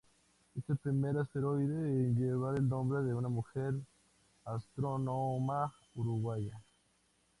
Es el primer asteroide en llevar el nombre de una mujer astrónoma uruguaya.